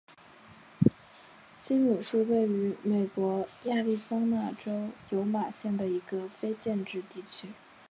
基姆是位于美国亚利桑那州尤马县的一个非建制地区。